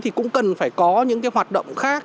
thì cũng cần phải có những hoạt động khác